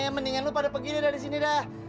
mendingan lo pada pergi deh dari sini dah